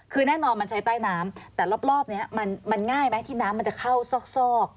คือแน่นอนมันใช้ใต้น้ำแต่รอบนี้มันง่ายไหมที่น้ำมันจะเข้าซอก